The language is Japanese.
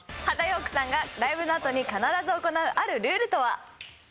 波田陽区さんがライブのあとに必ず行うあるルールとは？